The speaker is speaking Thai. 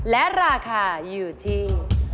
และราคาอยู่ที่